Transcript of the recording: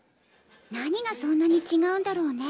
何がそんなに違うんだろうね？